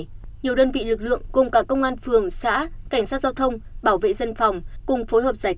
nhiều đơn vị lực lượng cùng cả công an phường xã cảnh sát giao thông bảo vệ dân phòng cùng phối hợp giải cứu